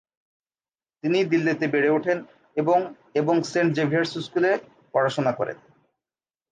তিনি দিল্লিতে বেড়ে ওঠেন এবং এবং সেন্ট জেভিয়ার্স স্কুল পড়াশোনা করেন।